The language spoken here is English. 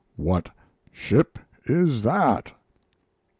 What ship is that?'